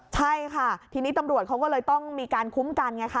ใช่ค่ะทีนี้ตำรวจเขาก็เลยต้องมีการคุ้มกันไงค่ะ